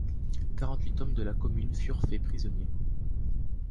Quarante-huit hommes de la commune furent fait prisonniers.